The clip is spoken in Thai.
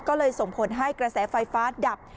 ก็เลยส่งผลให้กระแสไฟฟ้าดับ